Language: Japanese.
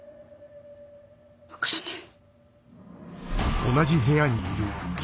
分からない。